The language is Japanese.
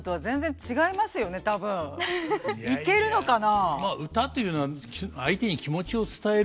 いけるのかな？